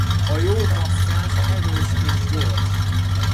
A jó masszázs erős és gyors.